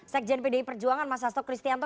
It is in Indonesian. sekjen pdi perjuangan mas hasto kristianto